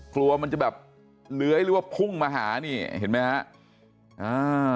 กลัวมันจะแบบเลื้อยหรือว่าพุ่งมาหานี่เห็นไหมฮะอ่า